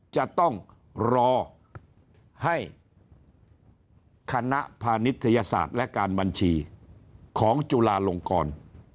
จะต้องรอให้คณะพานิทยาศาสตร์และการบัญชีของจุลาลงกร